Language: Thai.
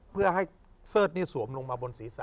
เพื่อให้เสิร์ธนี่สวมลงมาบนศีรษะ